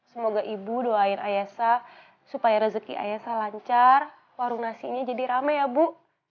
semoga ibu doain ayasa supaya rezeki ayasa lancar warung nasinya jadi rame ya bu